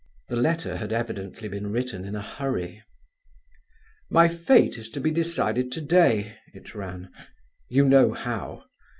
The letter had evidently been written in a hurry: "My fate is to be decided today" (it ran), "you know how.